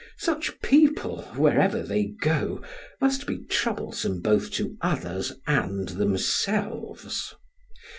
Such people, wherever they go, must be troublesome both to others and themselves.